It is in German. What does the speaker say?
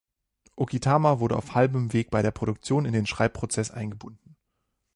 Okitama wurde auf halben Weg bei der Produktion in den Schreibprozess eingebunden.